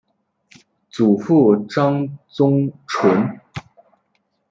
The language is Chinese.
祖父张宗纯。